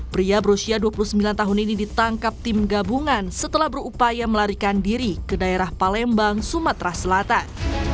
pria berusia dua puluh sembilan tahun ini ditangkap tim gabungan setelah berupaya melarikan diri ke daerah palembang sumatera selatan